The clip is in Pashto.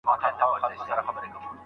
هيڅوک نه غواړي خپل اولاد بدمرغه کړي.